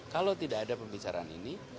kalau tidak ada pembicaraan ini